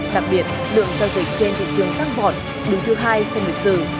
đặc biệt lượng giao dịch trên thị trường tăng vọt đứng thứ hai trong lịch sử